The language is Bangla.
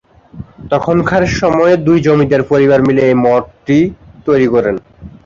তখনকার সময়ের দুই জমিদার পরিবার মিলে এই মঠটি তৈরি করেন।